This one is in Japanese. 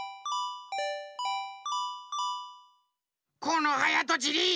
このはやとちり！